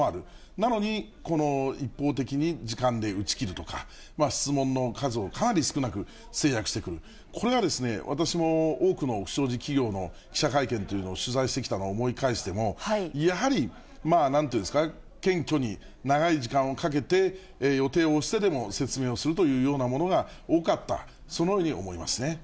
なのに、この一方的に時間で打ち切るとか、質問の数をかなり少なく制約してくる、これが私も多くの不祥事企業の記者会見というのを取材してきたのを思い返しても、やはり、なんというんですか、謙虚に長い時間をかけて、予定を押してでも説明をするというようなものが多かった、そのように思いますね。